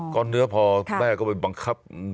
ก็เนื้อพอแม่ก็ไปบังคับ